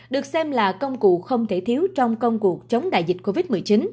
được xem là công cụ không thể thiếu trong công cuộc chống đại dịch covid một mươi chín